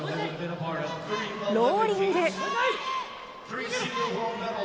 ローリング。